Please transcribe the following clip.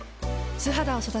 素肌を育てる。